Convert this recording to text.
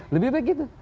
lebih baik gitu